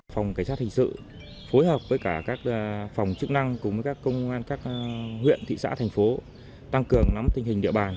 phòng cảnh sát thành sự phối hợp với các phòng chức năng cùng các công an các huyện thị xã thành phố tăng cường nắm tình hình địa bàn